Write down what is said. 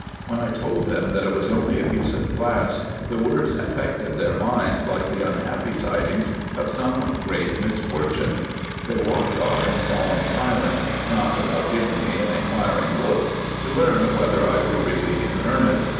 When I told them, that it was only a piece of glass, the words affected their minds like the unhappy tidings of some great misfortune : they walked off in solemn silence, not without giving me an inquiring look, to learn whether I were really in earnest.